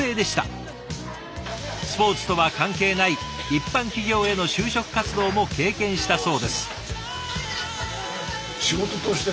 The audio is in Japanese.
スポーツとは関係ない一般企業への就職活動も経験したそうです。